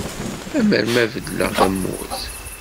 Amar ma beddleɣ tamurt.